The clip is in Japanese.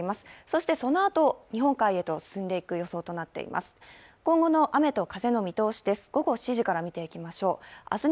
そして、そのあと日本海へと進んでいく予想となっています。